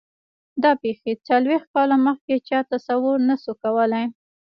دا پېښې څلوېښت کاله مخکې چا تصور نه شو کولای.